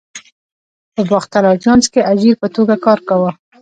په باختر آژانس کې اجیر په توګه کار کاوه.